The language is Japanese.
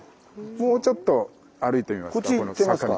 もうちょっと歩いてみますか